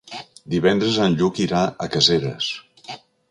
Divendres en Lluc irà a Caseres.